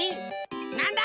なんだ？